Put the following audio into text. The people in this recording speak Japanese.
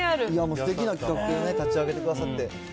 すてきな企画を立ち上げてくださって。